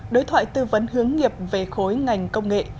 đối thoại tư vấn hướng nghiệp về khối ngành công nghệ